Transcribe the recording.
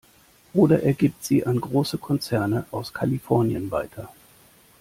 Oder er gibt sie an große Konzerne aus Kalifornien weiter.